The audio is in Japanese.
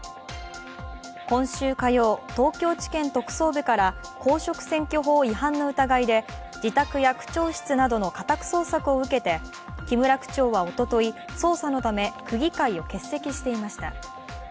今週火曜、東京地検特捜部から公職選挙法違反の疑いで、自宅や区長室などの家宅捜索を受けて木村区長はおととい、捜査のため区議会を欠席していました。